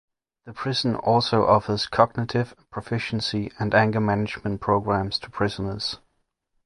The prison also offers cognitive proficiency and anger management programs to prisoners.